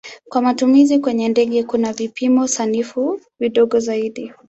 Kwa matumizi kwenye ndege kuna vipimo sanifu vidogo zaidi.